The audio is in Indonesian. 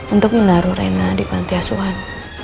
untuk menaruh rena di panti asuhan